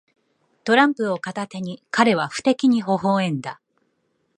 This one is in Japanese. トランプを片手に、彼は不敵にほほ笑んだ。